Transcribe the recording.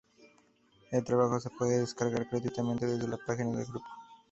El trabajo se puede descargar gratuitamente desde la página del grupo.